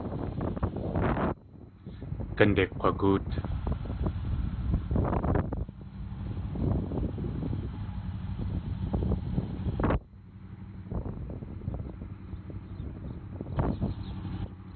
Gánde kg̲wagóot.